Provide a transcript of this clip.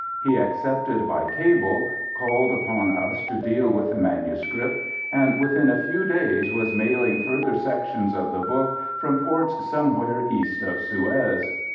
He accepted by cable, called upon us to deal with the manuscript, and within a few days was mailing further sections of the book from ports "somewhere east of Suez."